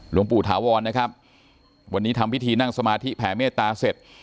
หลวงปู่ถาวรนะครับวันนี้ทำพิธีนั่งสมาธิแผ่เมตตาเสร็จ